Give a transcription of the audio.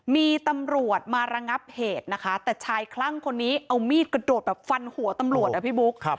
มีตำรวจมาระงับเหตุนะคะแต่ชายคลั่งคนนี้เอามีดกระโดดแบบฟันหัวตำรวจอะพี่บุ๊ค